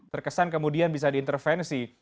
terkesan kemudian bisa diintervensi